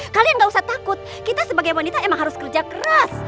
kalian gak usah takut kita sebagai wanita emang harus kerja keras